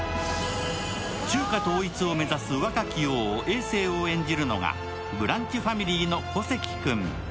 中華統一を目指す若き王・えい政を演じるのが、「ブランチ」ファミリーの小関君。